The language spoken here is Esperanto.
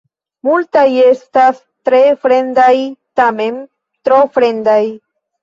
Multaj estas tre fremdaj tamen, tro fremdaj.